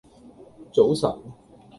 早晨